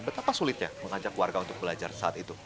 betapa sulitnya mengajak warga untuk belajar saat itu